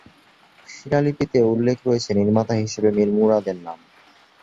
শিলালিপিতে উল্লেখ রয়েছে নির্মাতা হিসেবে মীর মুরাদের নাম।